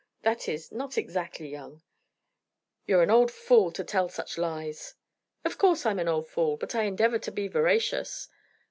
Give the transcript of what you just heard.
"That is, not exactly young," "You're an old fool to tell such lies!" "Of course I'm an old fool; but I endeavor to be veracious.